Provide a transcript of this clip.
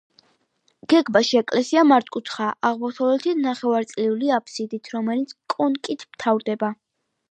გეგმაში ეკლესია მართკუთხაა, აღმოსავლეთით ნახევარწრიული აფსიდით, რომელიც კონქით მთავრდება.